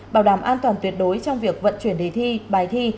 bảo đảm an toàn tuyệt đối trong việc vận chuyển đề thi bài thi